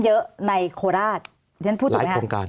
สวัสดีครับทุกคน